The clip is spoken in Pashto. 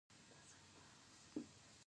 ایا ستاسو حق به ورکړل شي؟